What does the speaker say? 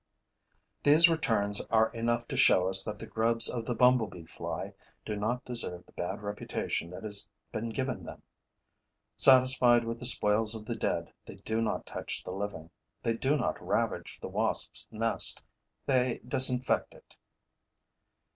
These returns are enough to show us that the grubs of the bumblebee fly do not deserve the bad reputation that has been given them. Satisfied with the spoils of the dead, they do not touch the living; they do not ravage the wasps' nest: they disinfect it.